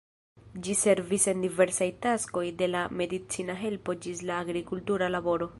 Ĝi servis en diversaj taskoj de la medicina helpo ĝis la agrikultura laboro.